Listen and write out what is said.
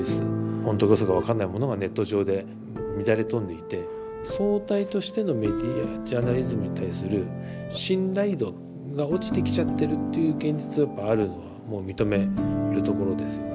ほんとかうそか分かんないものがネット上で乱れ飛んでいて総体としてのメディアジャーナリズムに対する信頼度が落ちてきちゃってるっていう現実がやっぱあるのはもう認めるところですよね。